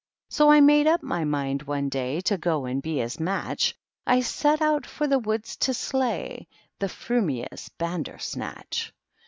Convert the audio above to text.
So I made up m/y mind one day To go and be his match; I set out for the woods to slay The frumious Bandersnatch.